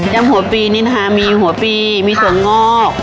ย่ำหัวปรีนี่นะคะมีหัวปรีมีสวง่อก